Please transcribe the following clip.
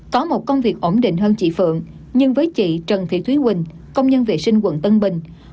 có một công việc ổn định hơn chị phượng nhưng với chị trần thị thúy quỳnh công nhân vệ sinh quận tân bình